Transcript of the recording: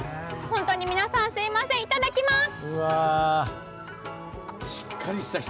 本当に皆さん、すいませんいただきます。